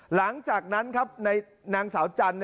หลังจากนั้นครับนางสาวจันทร์